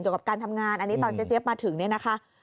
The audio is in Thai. กับการทำงานอันนี้ตอนเจ๊เจี๊ยบมาถึงเนี่ยนะคะ